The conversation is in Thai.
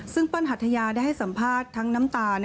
ซึ่งเปิ้ลหัทยาได้ให้สัมภาษณ์ทั้งน้ำตา